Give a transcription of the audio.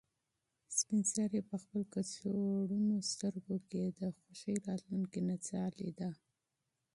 سپین سرې په خپل کڅوړنو سترګو کې د خوښۍ راتلونکې نڅا لیده.